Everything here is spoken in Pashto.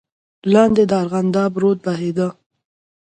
لاندې د ارغنداب رود بهېده.